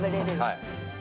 はい。